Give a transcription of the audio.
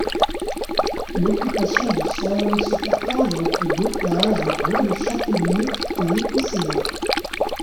L'occupation du sol se partage entre bocage et bois de châtaigniers et épicéas.